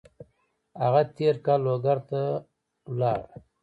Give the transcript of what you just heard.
هغه تېر کال لوګر ته لاړ.